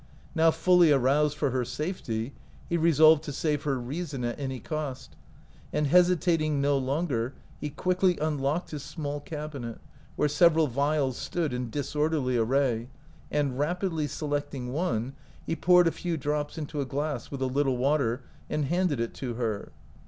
Now fully aroused for her safety, he resolved to save her reason at any cost; and hesitating no longer, he quickly unlocked his small cabinet, where several vials stood in disorderly array, and rapidly selecting one, he poured a few drops into a glass with a little water and handed it to her.